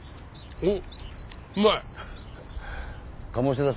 おっ！